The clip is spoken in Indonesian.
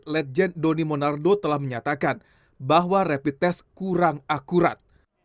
legend doni monardo telah menyatakan bahwa rapid test kurang akurat